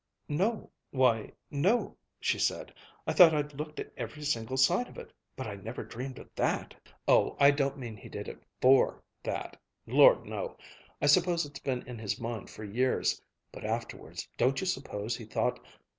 "No. Why no," she said, "I thought I'd looked at every single side of it, but I never dreamed of that." "Oh, I don't mean he did it for that! Lord, no! I suppose it's been in his mind for years. But afterwards, don't you suppose he thought